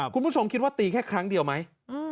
คุณผู้ชมคิดว่าตีแค่ครั้งเดียวไหม